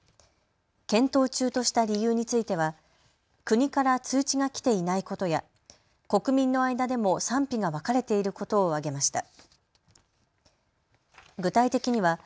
検討中とした理由については国から通知が来ていないことや、国民の間でも賛否が分かれていることを挙げました。